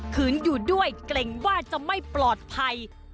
คืนอยู่ด้วยเกรงว่าจะไม่ปลอดภัย